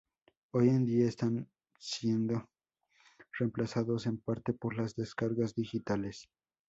Hoy en día están siendo reemplazados en parte por las descargas digitales.